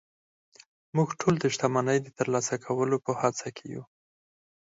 موږ ټول د شتمنۍ د ترلاسه کولو په هڅه کې يو